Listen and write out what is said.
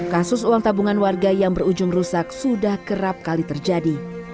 kasus uang tabungan warga yang berujung rusak sudah kerap kali terjadi